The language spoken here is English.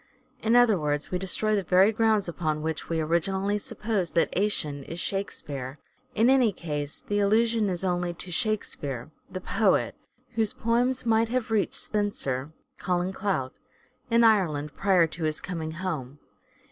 In other words, we destroy the very grounds upon which we originally suppose that " Action " is Shakespeare. In any case, the allusion is only to " Shakespeare " the poet, whose poems might have reached Spenser (" Colin Clout ") in Ireland prior to his coming home.